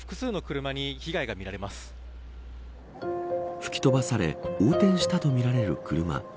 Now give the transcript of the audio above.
吹き飛ばされ横転したとみられる車。